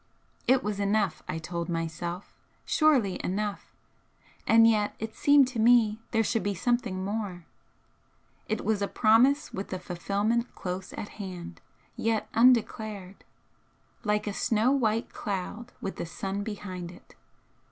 It was enough, I told myself surely enough! and yet it seemed to me there should be something more. It was a promise with the fulfilment close at hand, yet undeclared, like a snow white cloud with the sun behind it.